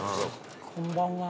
こんばんは。